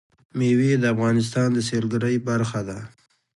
مېوې د افغانستان د سیلګرۍ برخه ده.